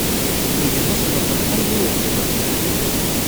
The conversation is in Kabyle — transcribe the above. Iga tasleṭ lqayen i uɣbel-a.